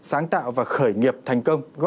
sáng tạo và khởi nghiệp thành công